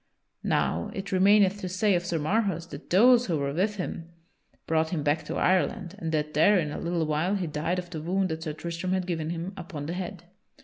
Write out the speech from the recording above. Now it remaineth to say of Sir Marhaus that those who were with him brought him back to Ireland and that there in a little while he died of the wound that Sir Tristram had given him upon the head.